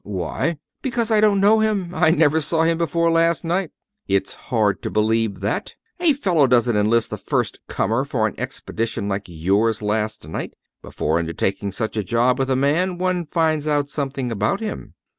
"Why?" "Because I don't know him. I never saw him before last night." "It's hard to believe that. A fellow doesn't enlist the first comer for an expedition like yours last evening. Before undertaking such a job with a man, one finds out something about him."